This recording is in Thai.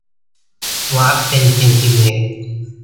วัดเป็นเซนติเมตร